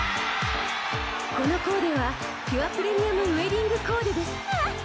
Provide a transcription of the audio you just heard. このコーデはピュアプレミアムウェディングコーデです。